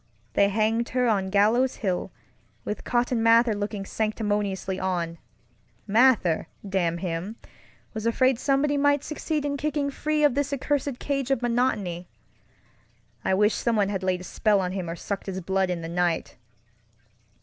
They hanged her on Gallows Hill, with Cotton Mather looking sanctimoniously on. Mather, damn him, was afraid somebody might succeed in kicking free of this accursed cage of monotonyŌĆöI wish someone had laid a spell on him or sucked his blood in the night!